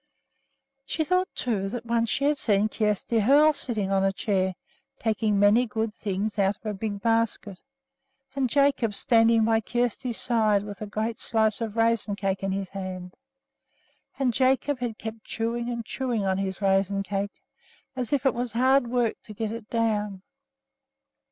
She thought, too, that once she had seen Kjersti Hoel sitting on a chair, taking many good things out of a big basket, and Jacob standing by Kjersti's side with a great slice of raisin cake in his hand. And Jacob had kept chewing and chewing on his raisin cake, as if it was hard work to get it down.